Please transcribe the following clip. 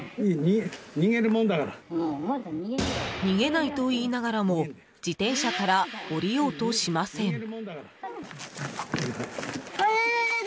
逃げないと言いながらも自転車から降りようとしません。